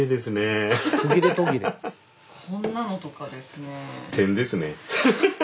こんなのとかですね。